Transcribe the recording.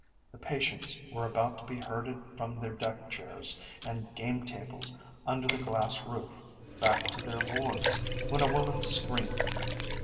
The patients were about to be herded from their deck chairs and game tables under the glass roof back to their wards, when a woman screamed.